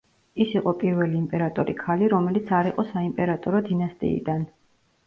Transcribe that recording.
ის იყო პირველი იმპერატორი ქალი, რომელიც არ იყო საიმპერატორო დინასტიიდან.